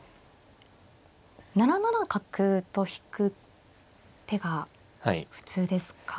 ７七角と引く手が普通ですか。